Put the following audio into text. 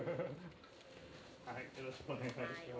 よろしくお願いします。